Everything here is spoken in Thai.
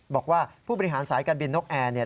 บอกว่าผู้บริหารสายการบินนกแอร์เนี่ย